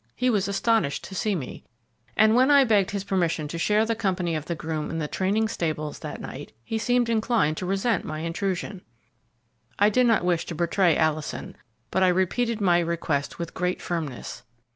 He was astonished to see me, and when I begged his permission to share the company of the groom in the training stables that night, he seemed inclined to resent my intrusion. I did not wish to betray Alison, but I repeated my request with great firmness.